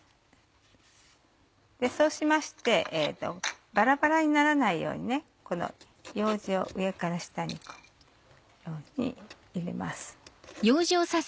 そうしましてバラバラにならないようにこのようじを上から下に入れます。